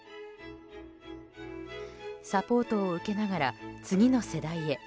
サポートを受けながら次の世代へ。